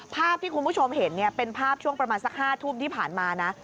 ภาพที่คุณผู้ชมเห็นเป็นภาพช่วงประมาณสัก๕ทุ่มที่ผ่านมานะ